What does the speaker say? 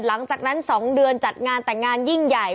หลังจากนั้น๒เดือนจัดงานแต่งงานยิ่งใหญ่